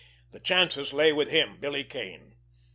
The chances lay with him, Billy Kane.